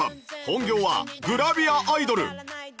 本業はグラビアアイドル